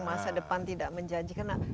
masa depan tidak menjanjikan